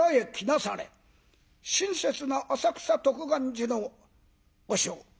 親切な浅草徳願寺の和尚。